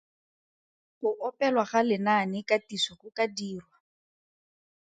Go opelwa ga lenaanekatiso go ka dirwa.